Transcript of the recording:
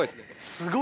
すごい。